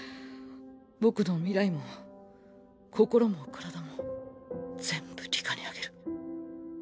僕の未来も心も体も全部里香にあげる。